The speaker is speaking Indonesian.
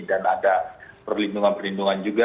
dan ada perlindungan perlindungan juga